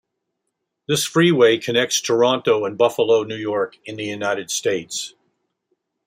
This freeway connects Toronto and Buffalo, New York, in the United States.